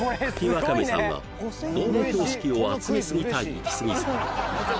わかめさんは道路標識を集めすぎたイキスギさん